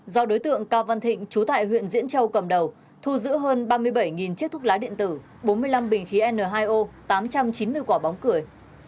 do đối tượng cao văn thịnh chú tại huyện diễn châu cầm đầu thu giữ hơn ba mươi bảy chiếc thuốc lá điện tử bốn mươi năm bình khí n hai o tám trăm chín mươi quả bóng cười